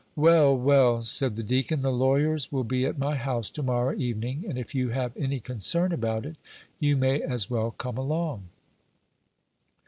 "Well, well," said the deacon, "the lawyers will be at my house to morrow evening, and if you have any concern about it, you may as well come along."